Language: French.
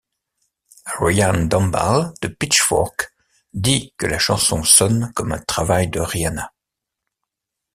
Ryan Dombal de Pitchfork dit que la chanson sonne comme un travail de Rihanna.